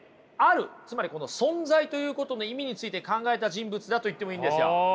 つまり「存在」ということの意味について考えた人物だと言ってもいいんですよ。